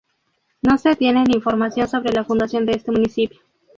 No se tienen información sobre la fundación de este Municipio.